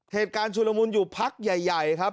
เหตุการณ์ชุดละมุนอยู่พักใหญ่ครับ